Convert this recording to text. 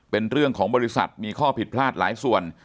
เป็นเรื่องของบริษัทมีข้อผิดพลาดหลายส่วน